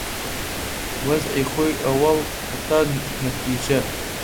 وەزعی خۆی ئەووەڵ، هەتا نەتیجە